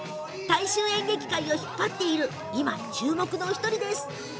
大衆演劇界を引っ張る今、注目の１人です。